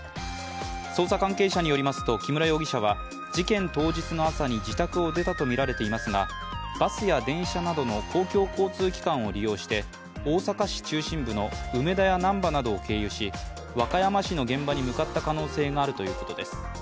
捜査関係者によりますと木村容疑者は事件当日の朝に自宅を出たとみられていますがバスや電車などの公共交通機関を利用して、大阪市中心部の梅田や難波などを経由し、和歌山市の現場に向かった可能性があるということです。